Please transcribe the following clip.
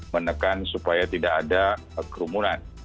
menekan supaya tidak ada kerumunan